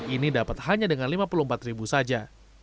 ini dapat hanya dengan rp lima puluh empat saja